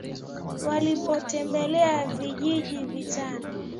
Walipotembelea vijiji vitano.